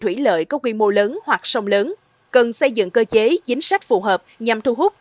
thủy lợi có quy mô lớn hoặc sông lớn cần xây dựng cơ chế chính sách phù hợp nhằm thu hút